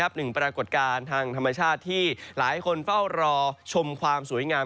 ปรากฏการณ์ทางธรรมชาติที่หลายคนเฝ้ารอชมความสวยงาม